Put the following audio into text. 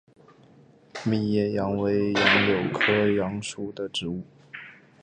密叶杨为杨柳科杨属的植物。